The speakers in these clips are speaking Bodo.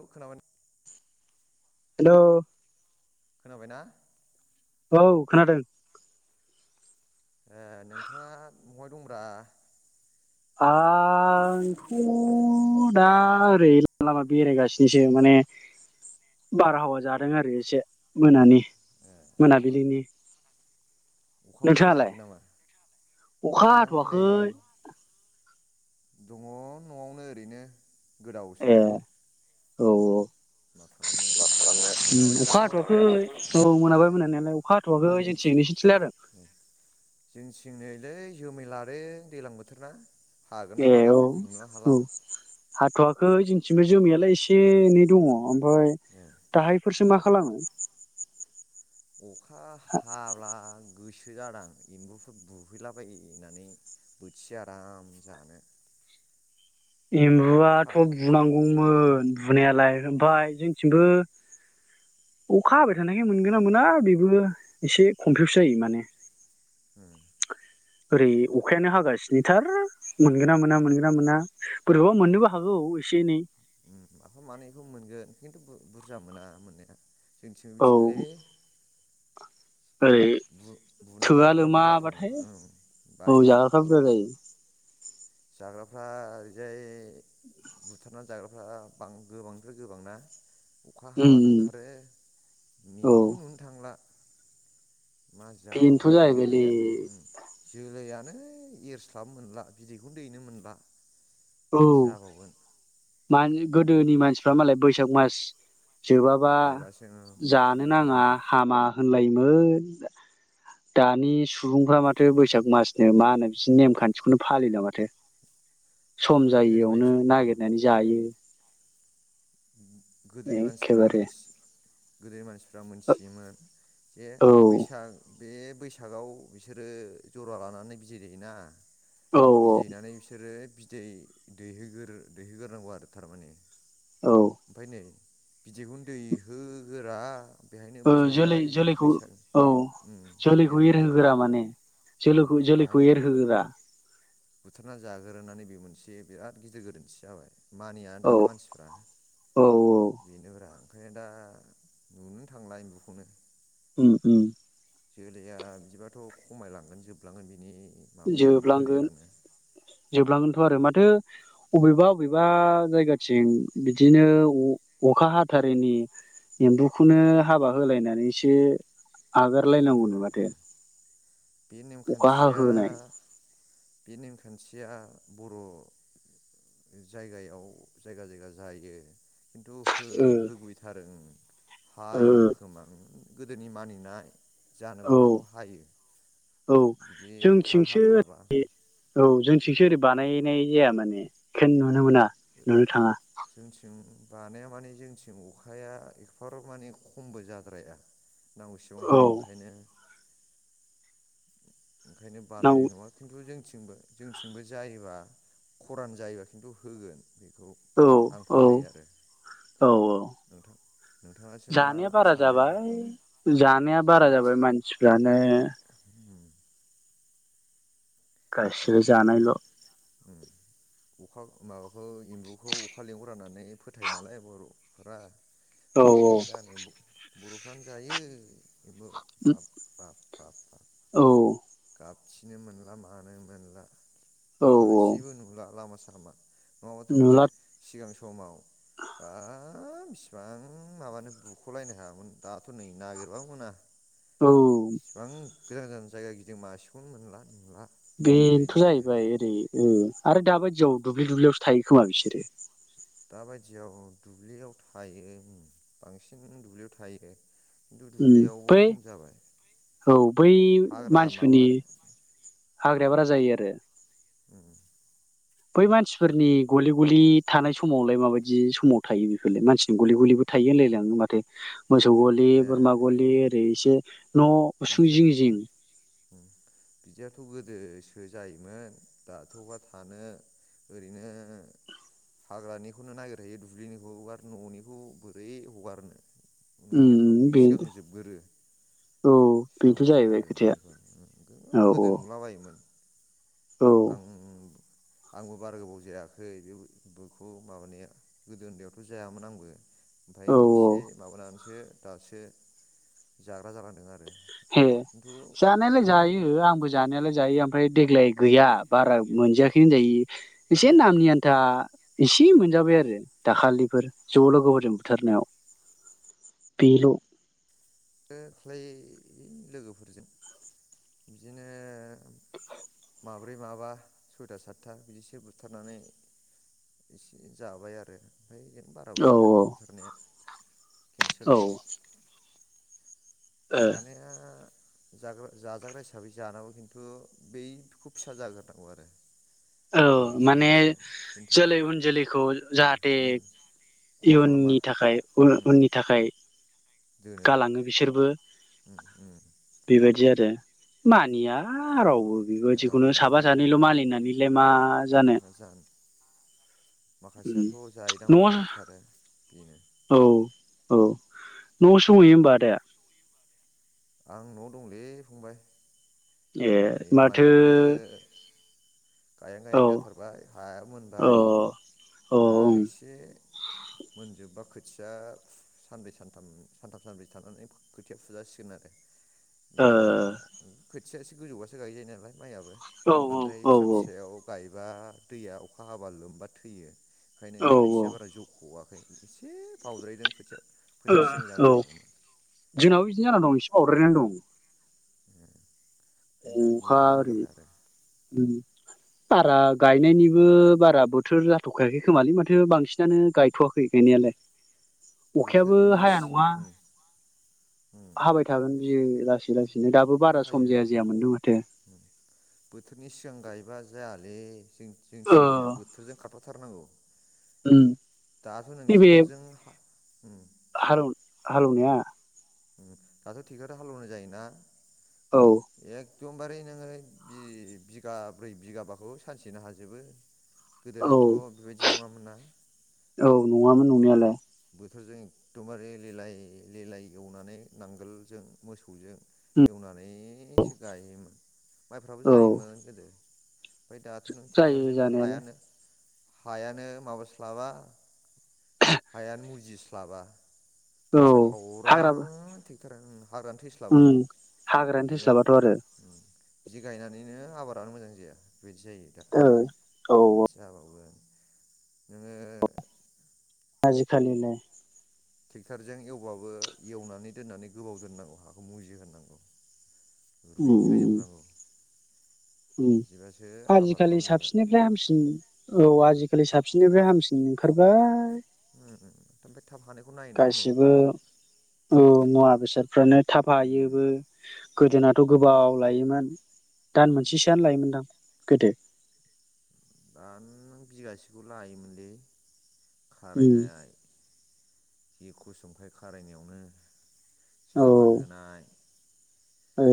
औ खोनाब हेल' खोनाबायना? औ खादों। ए नोंथाङा बहाय दंब्रा? आंथ' दा ओरै लामा बेरायगासिनोसो माने बारहावा जादों आरो एसे मोनानि ओ मोनाबिलिनि अखाफोर नोंथाङालाय हायाखै नामा अखा आं नै हाथ'वाखै। दङ न'आवनो ओरैनो। गोदाव ए सोराव औ औ मा मोनाबायना खालामनो अखा दाथ' हाथ'वाखै औ ए मोनाबाय मोनानालाय अखा हाथ'वाखै जोंथिं नोंसोरथिंलाय हादो? जोंन्थिं नैलै जोमै लादों दैलां बोथोर ना। हागोन ना ए औ मागोनथाय बुंनोनो हाला औ हाथ'आाखै जोंथिंबो जोमियाालाय एसे एनै दङ। ओमफाय दाहायफोरसो माख खालामो अखा हाब्ला गोसो सो जादां एम्बुफोर बुहैलाबायहैनानै बोथिसे आराम जानो। अखा एम्बुआथ' हाबा बुनांगौमोन। बुनायालाय ओमफाय जोंथिंबो अखा हाबाय थानायखाय मोनगोन ना मोना बेबो एसे कमफिउस जायो माने। उम ओरै अखायानो हागासिनोथार मोनगोना मोना मोनगोना मोना बोरैबा मोननोबो हागौ एसे एनै। उम माफा मानैखौ मोनगोन खिन्थु बु बुरजा मोना मोननाया। जोंथिबो औ बिदिनोलै ओरै बुनानै थोआ जाग्राफ्रा बुरजाथारना लोमाबाथाय ओं औ बायो जाग्राफ्रा बुरजा जायो। ‌ जाग्राफ्रा ओरैजाय बुथारना जाग्राफ्रा गोबांनिफ्राय गोबां ना अखा उम हाबानो उम ओंखारो औ मेम्बुखौनो नुनो थांला। मा बेनोथ' जाबावगोन दा जाहैबायलै जोलैया जोलैया नै एरस्लाब मोनला बिदैखौनो दैनो मोनला। मा औ जाबावगोन [unintelligible] गोदोनि मानसिफ्रा मालाय बैसाग मास जोबाबा बायबासो जानो नाङा बुथारामोन हामा होनलायोमोन दानि सुबुंफ्रा माथो बैसाग मासनो मा होनो बिनि नेमखान्थिखौनो फालिला माथो। सम थारमाने जायियावनो ओरैबायदि उम नागिरनानै जायो। गोदोनि मानसिफ्रा एखेबारे मोनसे गोदो मानसि फ्रा मोनथियोमोन जे औ बैसाग बे बैसागआव बिसोरो जरा लानानै बिदै दैयोना औ बिदै दैनानै बिसोरो बिदै दैहोगोर दैहोगोरनांगौ आरो थारमाने। औ ओमफ्राय नै बिदैखौनो दैहो गोरा औ जोलै जोलैखौ औ उम जोलैखौ एरहोगोरा माने उम जोलोखौ जोलैखौ बाहायनो एरहोगोरा बुथारना जाग्रोनानै बे मोनसे बिराद गिदिर गोरोन्थि जाबाय। मानिया औ दानि मानसिफ्रा औ बेनोब्रा। ओंखायनो दा नुनोनो थांला एम्बुखौनो। उम उम। जोलैया बिदिबाथ'खमायलांगोन जोबलांगोन बिनि माबायानो जोबलांगोन फोलेरानो जोबलांगोनथ' आरो मा थो अबेबा अबेबा जायगाथिं बिदिनो अ अखा हाथारैनि एम्बुखौनो हाबा होलायनानै सो अखा आगारलायनांगौनो माथो हानायानो अखा दा हाहोनाय बे नेमखान्थिया बर' जायगायाव जायगा जायगा जायो। खिन्थु हो ओ होफैथारो ओ। हायोबो ओ खोमा उम। गोदोनि मानिनाय जानोबो औ हागौ हायो औ बिदि अखा हाथाराबा सिंसो ओरै बानायनाय जाया माने खेन नुनो मोना। नुनो थाङा जोंथिं बानाया माने जोंथिं अखाया एकफाराब माने खमबो जाद्राया नांगौसेबां औ हायो ओंखायनो ओंखायनो बानायनाय नांगौ नङा खिन्थु जों थिंबो जोंथिंबो जायोबा खरान जायो खिन्थु होगोन बे औ औ औ औ नोंथां नोंथाङासो मा जानाया बारा सानो जाबाय जानाया बारा जाबाय मानसि मानसिफ्रानो गासिबो एम्बु जानायल' अखा माबाखौ इम्बुखौ अखा लेंहरा होननानै फोथाय नालाय बर'फोरा औ मायदा [unintelligible] बर'फ्रानो जायो एम्बु बाब बाब औ हाबथिनो मोनला मानो मोनला औ औ मासेबो नुला लामास नङाबाथ' गोद नुला सिगां स समाव बाब बिसिबां माबानो बुख'लायनो हायामोन दाथ' नै नागिरबाबो मोना। औ [unintelligible] बां गोजान गोजान जायगा गिदिं मासेखौनो मोनला नुला। बेनथ' बेबायदि आरो जाहैबाय ओरै उम आरो दाबायदियाव दुब्लि दुब्लियावसो थायो खोमा बिसोरो दाबादियाव दुब्लियाव थायो उम बांसिन दुब्लियाव थायो। खिन्थु उम दुब्लियावबो फै खम जाबाय औ बै हाग्रा माबा मानसिफोरनि हाग्राया बारा जायो आरो बै मानसिफोरनि गलि गलि थानाय समावलाय माबायदि समाव थायो बेफोरलाय मानसिनि गलि गलिबो थायो होनलायलाङो माथो। मोसौ गलि ए बोरमा गलि ओरै से न' उसुं बिदियाथ' जिं जिं बिदियाथ' गोदोसो जायोमोन दाथ'बा थानो ओरैनो हाग्रानिखौनो नागिरहैयो दुब्लिनिखौब [unintelligible] न'निखौ बोरै हगारनो उम न'नियाथ' बे सिगां जोबगोरो औ सिगां बेथ' जाहैबाय बुथारगोरो खोथाया न'निखौ उ गो औ गोदो नुलाबायोमोन। औ आं आंबो बारा गोबाव जायाखै बे बेखौ माबानाया गोदो उन्दैयावथ' जायामोन आंबो। ओमफाय औ औ एसे माबानानैसो दासो जाग्रा जालांदों आरो हे खिन्थु जानायालाय जायो आं आंबो जानायालाय जायो ओमफ्राय देग्लाय गैया बारा मोनजायाखै होनजायो। एसे मोनजायाखै नामनि आन्था इसे मोनजाबाय आरो दाखालिफोर ज' लोगोफोरजों बुथारनायाव बेल'। ओ ख्लै लोगोफोरजों बिदिनो माब्रै माबा सयथा सातथा बिदिसो बुथारनानै एसे जाबाय आरो। ओमफ्राय बिदिनो बारा औ बुथाराखै बुथारनाया केन्सेल। औ ओ जानाया जाग्रा जाजाग्रा हिसाबै जानांगौ खिन्थु बैखौ फिसा जाग्रोहोनांगौ आरो औ बेसो माने मोनसे खिन्थु जोलै उन जोलैखौ खजा जाहाथे उम खहा खालामा इयुननि थाखाय उन उम उननि थाखाय दोनो गालाङो बिसोरबो उम उम बेबाय दि आरो मानियाव राव बो जोंहा बेबायदिखौनो हनै साफा सानैल' मानिया मलिनानैलाय मा जानो? माखासेयाथ' जायोदा न' हनै बुथारो बेनो। औ औ न'आवसो दंहैयो होमबा आदाया? आं न'आव दंलै फंबाय। ए नै माथो माइयाबो गायहां औ गायहां जाथारबाय हाया अ मोनबाय औ दा ओं एसे मोनजोबबा खोथिया सानब्रै सानथाम सानथाम सानब्रै थानानै खोथिया फुजासिगोन आरो। ओ बारा औ फो [unintelligible] गोजौबासो गायजायो नालाय माइआबो औ बांद्राय फिसा फिसायाव गाय ब्ला दैया अखा हाबा लोमबा थैयो। ओंखायनो औ खोथिया बारा जौख'वा एसे बावद्रायदों खोथिया फोनाया सिगां औ जाग्रोनांगौमोन जोंनाबो बिदिनो जाना दं एसे बावद्रायनानै दं। [unintelligible] ओमफ्राय दा अखा नेबावनो आरि नागिरबाय आरो उम बारा गायनायनिबो बारा बोथोर जाथखायाखै खोमालै माथो बांसिनानो गायथवाखै गायनायालाय। अखायाबो बोथोरनि हाया नङा। उम उम हाबाय थागोन बियो लाासि अखायाथ हायो बोथोरनि सिगां गायबा जाया। दे जों ओ जोंनिथिंनिया बोथोरजों खारफा थारनांगौ। उम दाथ नों ट्रेक्टरजों [inaudible] हाल हालेवनाया। दाथ ट्रेक्टरजों हालेवनाय जायो ना? [inaudible] औ। एखदमबारे नोङो बि बिगाब्रै बिगाबाखौ सानसेनो हाजोबो। औ गोदोनाथ' बेबायदि नङामोन ना औ नङामोन नंनायालाय। बोथोरजों एखदमबारे लिलाय लिलाय एवनानै नांगोलजों मोसौजों एवनानै। मनैसो गायोमोन माइफ्राबो औ जायोमोन गोदो। [unintelligible] ओमफ्राय दाथ नों जायो ट्रेक्टरजोंनो जानायालाय हायानो। हायानो माबास्लाबा। [inaudible] हायानो मुजिस्लाबा। औ खासा खावरा हाग्राबो थि [unintelligible] हाग्रायानो थैस्लाबा उम हाग्रायानो बिदि थैस्लाबाथ' आरोखि। आरो बिदि गायनानैनो आबादानो मोजां जाया। बेबायदि जायो दा औ मा जाबावगोन। [inaudible] नोङो [inaudible] आजिखालिलाय। ट्रेक्टरजों एवबाबो एवनानै दोननानै गोबाव दोननांगौ हाखौ मुजिहांगौ। [inaudible] उम रुइहै उम जोबनांगौ। [inaudible] आजिखालि मोजां जागोन साबसिननिफ्राय हामसिन औ आजिखालि थाब साबसिननिफ्राय हामसिन। ओंखारबाय। [unintelligible] नायोना हनै गासिबो औ मुवा बेसादफ्रानो थाफायोबो गोदोनाथ गोबाव लायोमोन दान मोनसेसोआनो लायोमोनदां। गोदो। आं बिगासेखौ लायोमोनलै। [inaudible] उम खारायनाय। [inaudible] जि खस्थ' मोनखायो खारायनायावनो। [inaudible] औ सामार होनाय। [inaudible] ओ।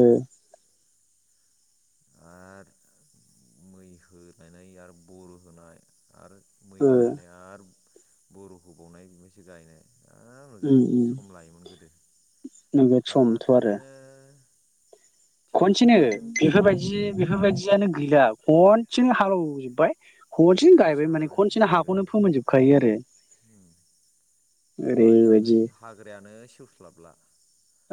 होनायनाय आरो बर' होनाय आरो। [inaudible] मै ओ होनानै आरो [inaudible] बर' होबावनाय बेनिफ्रायसो गायनाय। [unintelligible] नोगोद उम उम सम लायोमोन गोदो नैबे समथ' दाथ' आरो नोङो [inaudible] खनसेनो आरो ट्रेक्ट'रजों बेफोर बायदि बेफोर बायदियानो फेन गैला खन सेनो हालेवजोबबाय। खेनसेनो हालौनायानो गायबायबो। फोमोनजोबखायो आरो उम हाया ओरैबायदि ओमफाय हाग्रायानो सेवस्लाबला।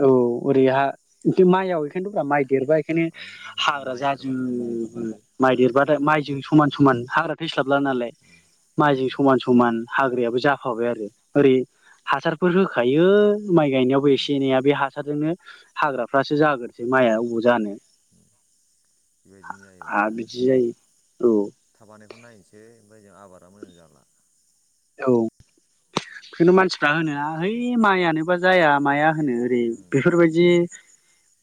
औ ओरैहा इथ' माइआव बेखायनोथ' ब्रा माइ देरबा इखोनो आं ओमफ्राय हाग्रा माइ देरबाथाय जाजोबो माइ हाग्रा देरबा जाजोबसै माइजों समान उम समान हाग्रा थैस्लाबला नालाय उम माइजों उम समान समान हाग्रा जाफाबाय आरो ओरै हासारफोर होखायो। माइ गायनायावबो उम एसे। बे हासारजोंनो हाग्रा फासो जाग्रोसै सेवबाय माइआ अबाव जानो। उम बेबायदिनो हा जायोब्रा बिदि जायो औ। खौ नायनोसै ओमफाय आबादा मोजां जाबा औ बेखायनो मानसिफ्रा होनो है माइआनोबा जाया माया। मा होनो ओरै उम बेफोर बायदि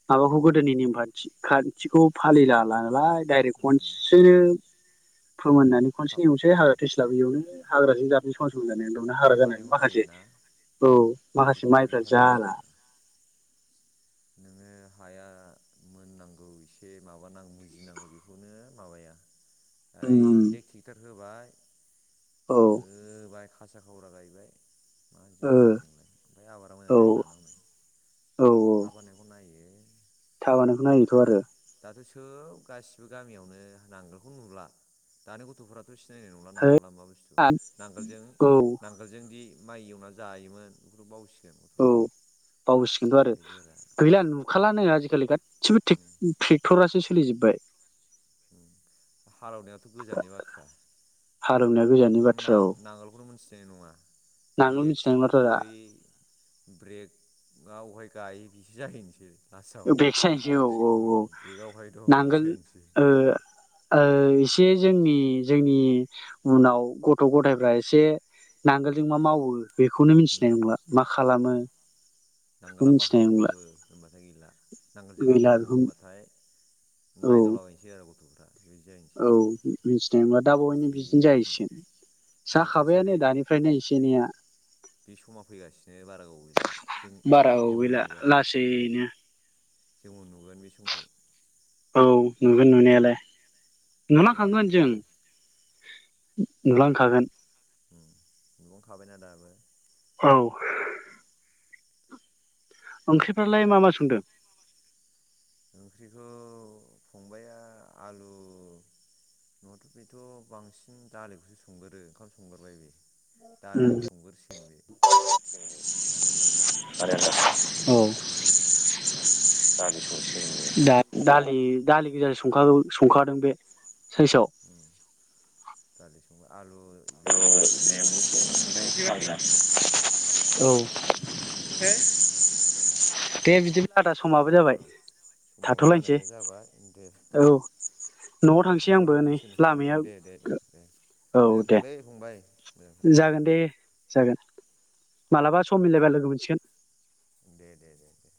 माबाखौ गोदोनि नेमखान्थि खान्थिखौ फालिला नालाय डायरेक्ट उम खनसेनो। फोमोननानै खनसे थाब एवसै उम हाग्रा थैस्लाबोआवनो। हाग्राजों जाब [unintelligible] [unintelligible] हाग्रा थाब जानानै हानायखौ माखासे नायोना औ आजि माखासे माइफ्रा आजिखालि जाला। मानसिफोरा नोङो हाया मोननांगौ एसे माबानांगौ मुजिनांगौ बेखौनो माबाया। उम डाइरेक टेक्टार होबाय। औ। होबाय खासा खावरा गायबाय। मा ओ जानांगौ बिदिजोंलाय ओमफ्राय आबादा मोजां औ जाहैलाना हनै। थाब हानायखौ नायो। थाब हानायखौ नायोथ' दाथ' आरो। दाथ' सोब गासिबो गामियावनो नांगोलखौ नुला दानि गथ'फोराथ' सिनायनाय नंला है नांगोल। मा मा बुस्थु नांगोलजों औ नांगोलजों दि माइ एवना जायोमोन बेखौ बावसिगोन। औ। गथ'फ्रा बावसिगोनथ' आरो गैला नुखालानो आ आजिखालि गासैबो उम टेक्टरासो सोलिजोबबाय। होम हालेवनायाथ' गोजाननि बाथ्रा। रोंनाया गोजाननि बाथ्रा औ। दे नङा। नांगोल ब्रेक मिथिनाय नंलाथ' दा बै ब्रेक ना अहाय गायो बिसो जाहैनोसै। लास्टआव ब्रेकसो जाहैनोसै ब्रेक औ औ औ ब्रेकआवहाय दं बिदि नांगोल जाहैनोसै ओ उम ओ एसे जोंनि जोंनि उनाव गथ' गथायफ्रा एसे नांगोलजों मा मावो बेखौनो मिथिनाय नंला मा उम खालामो। बेखौ नांगोला माखौ मिथिनाय बुङो नंला होनबाथाय नांगोलजोंबा गैला मावो बेखौ होमबाथाय औ नायदावलाबायनोसै आरो गथ'फोर औ मिथिनायबा दाबावैनो बे बिदिनो जाहैसिगोन बे थासारि जाखाबायानोन उम दानिफ्रायनो एसे एनैया। ला बारा गोबाव गैला लासैनो जोंबो नुगोन बे समखौ। औ नुगोन नुनायालाय। लोगो मोनगोन नुलांखागोन जों। जोंबो नुलांखागोन। नुहांखाबायना दाबो। औ। ओंख्रिफ्रालाय मा मा संदों? ओंख्रिखौ फंबायआ आलु न इथ' बांसिन दालिखौसो संग्रोदो ओंखाम संगोरबाय बे। दालि उम संगोरसिगोन बे आंनि आन्दासाव औ। दालि संसिगोन दालि बियो संसिगोन बियो दा इ दालि गोजा संखागौ संखादों बे। साइसाव। उम दालि संबा आलु लेमनोसै ओमफ्राय फाजा [unintelligible] औ। दे बिदिब्ला आदा समाबो जाबाय औ समाबो थाथ'लायनोसै जानाया जाबाय दे औ न'आव थांसै उनफ्राव आंबो लोगो नै लामाया हमसिगोन दे दे दे दे औ मोजां दे थांलै फंबाय मोजांथां जागोन दे जागोन मालाबा सम मिलायबा लोगो मोनसिगोन दे दे दे दे